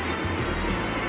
jangan makan aku